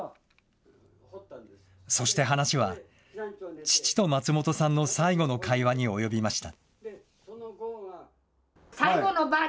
そして話は、父と松本さんの最後の会話に及びました。